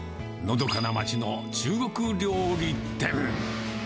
のどかな町の中国料理店。